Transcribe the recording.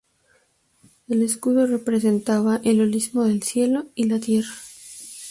El escudo representaba el holismo del cielo y la tierra.